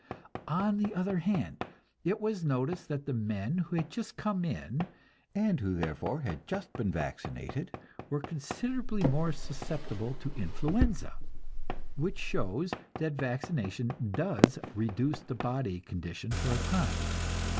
On the other hand, it was noticed that the men who had just come in, and who therefore had just been vaccinated, were considerably more susceptible to influenza; which shows that vaccination does reduce the body condition for a time.